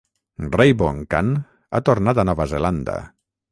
Raybon Kan ha tornat a Nova Zelanda.